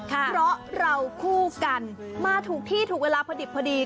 เพราะเราคู่กันมาทุกที่ทุกเวลาพอดี